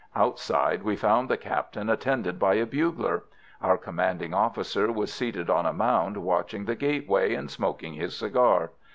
Outside, we found the Captain attended by a bugler. Our commanding officer was seated on a mound watching the gateway, and smoking his cigar.